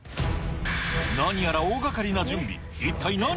何やら大掛かりな準備。